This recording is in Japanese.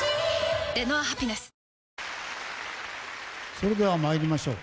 それでは、参りましょう。